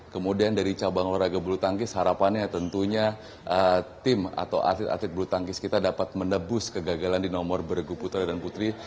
kemudian dari cabang olahraga bulu tangkis harapannya tentunya tim atau atlet atlet bulu tangkis kita dapat menebus kegagalan di nomor bergu putra dan putri